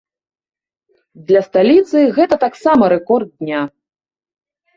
Для сталіцы гэта таксама рэкорд дня.